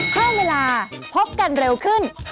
เพิ่มเวลาพบกันเร็วขึ้น